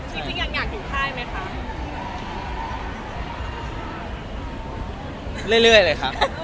จริงจริงอยากอยากถือค่ายไหมคะ